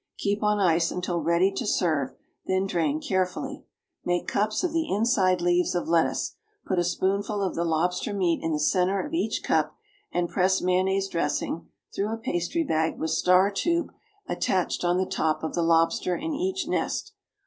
Keep on ice until ready to serve, then drain carefully. Make cups of the inside leaves of lettuce, put a spoonful of the lobster meat in the centre of each cup, and press mayonnaise dressing through a pastry bag with star tube attached on the top of the lobster in each nest.